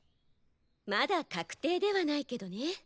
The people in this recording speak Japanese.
まだ確定ではないけどね。